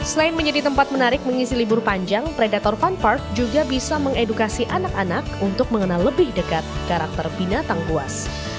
selain menjadi tempat menarik mengisi libur panjang predator fun park juga bisa mengedukasi anak anak untuk mengenal lebih dekat karakter binatang buas